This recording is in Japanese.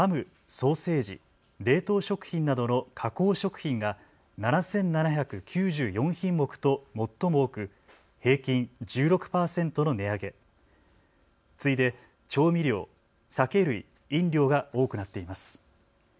品目別ではハム・ソーセージ・冷凍食品などの加工食品が７７９４品目と最も多く平均１６％の値上げ、次いで調味料、酒類・飲料が多くなっています。